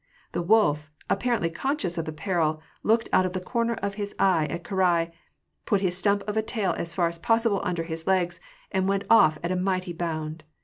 The wolf, apparently conscious of the peril, looked out of the corner of his eyes at Karai, put his stump of a tail as far as possible under his legs, and went off at a mighty bound.